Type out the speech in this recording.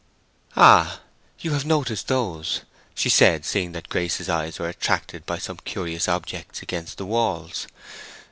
"Ah! you have noticed those," she said, seeing that Grace's eyes were attracted by some curious objects against the walls.